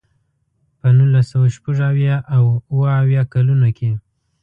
په نولس سوه شپږ اویا او اوه اویا کلونو کې.